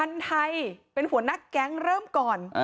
คนไทยเป็นหัวหน้าแก๊งเริ่มก่อน